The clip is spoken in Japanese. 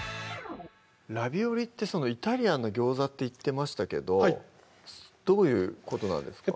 ラビオリって「イタリアンの餃子」って言ってましたけどどういうことなんですか？